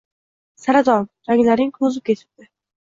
Saraton — ranglaring to‘zib ketibdi